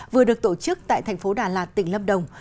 vừa được tổ chức tại thành phố đà lạt tỉnh lâm đồng